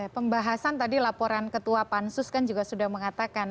pembahasan tadi laporan ketua pansus kan juga sudah mengatakan